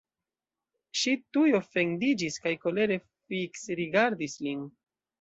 Ŝi tuj ofendiĝis kaj kolere fiksrigardis lin.